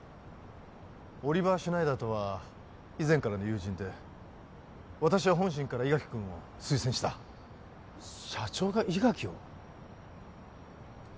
オリバー・シュナイダーとは以前からの友人で私は本心から伊垣君を推薦した社長が伊垣を？